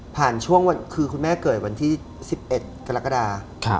ช่วงคือคุณแม่เกิดวันที่๑๑กรกฎา